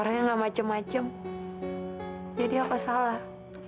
kok kamu sampai macem macem sama keluarga ini